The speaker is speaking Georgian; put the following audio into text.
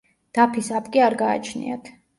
დაფის აპკი არ გააჩნიათ.